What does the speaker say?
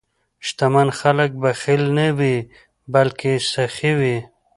شتمن خلک بخیل نه وي، بلکې سخي وي.